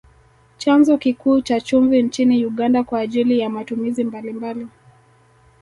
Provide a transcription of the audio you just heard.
Chanzo kikuu cha chumvi nchini Uganda kwa ajili ya matumizi mbalimbali